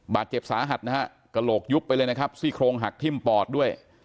บาดเจ็บสาหัสนะฮะกระโหลกยุบไปเลยนะครับซี่โครงหักทิ้มปอดด้วย